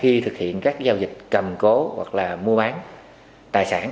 khi thực hiện các giao dịch cầm cố hoặc là mua bán tài sản